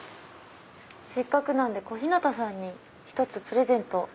せっかくなんで小日向さんに１つプレゼント。